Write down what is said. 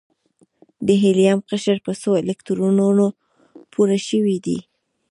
د هیلیم قشر په څو الکترونونو پوره شوی دی؟